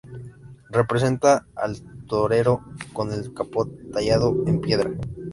Representa al torero con el capote tallado en piedra.